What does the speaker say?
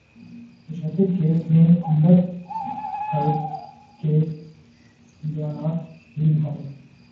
تشدد کیس میں Amber Heard کے بیانات بھی مکمل